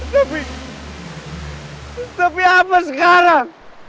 tapi tapi apa sekarang